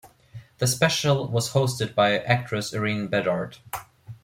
The special was hosted by actress Irene Bedard.